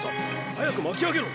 早く巻きあげろ！